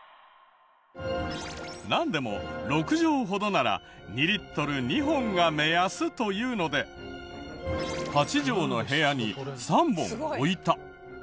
なんでも６畳ほどなら２リットル２本が目安というので８畳の部屋に３本置いた。